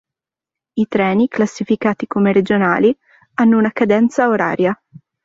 I treni, classificati come regionali, hanno una cadenza oraria.